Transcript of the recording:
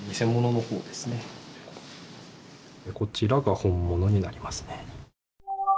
こちらが本物になりますね。